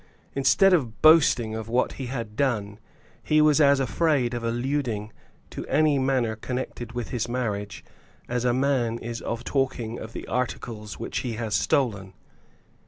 Instead of boasting of what he had done, he was as afraid of alluding to any matter connected with his marriage as a man is of talking of the articles which he has stolen.